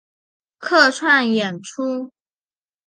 客串演出